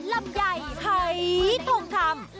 ลำไยไฮทงคำ